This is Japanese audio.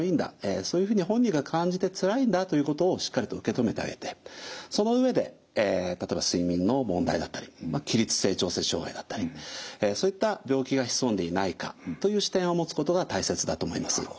そういうふうに本人が感じてつらいんだということをしっかりと受け止めてあげてその上で例えば睡眠の問題だったり起立性調節障害だったりそういった病気が潜んでいないかという視点を持つことが大切だと思います。